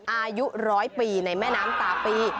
อายุร้อยปีในแม่น้ำตาปี